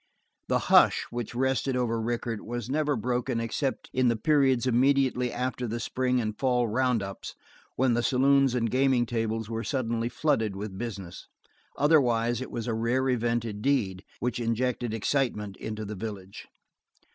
The hush which rested over Rickett was never broken except in the periods immediately after the spring and fall round ups when the saloons and gaming tables were suddenly flooded with business. Otherwise it was a rare event indeed which injected excitement into the village.